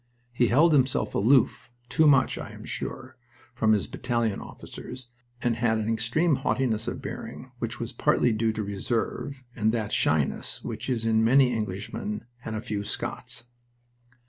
He held himself aloof too much, I am sure from his battalion officers, and had an extreme haughtiness of bearing which was partly due to reserve and that shyness which is in many Englishmen and a few Scots.